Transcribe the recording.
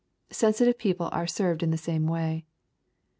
Sensitive people are served in the same way.